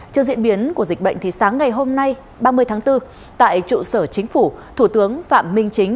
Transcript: trước diễn biến của dịch bệnh thì sáng ngày hôm nay ba mươi tháng bốn tại trụ sở chính phủ thủ tướng phạm minh chính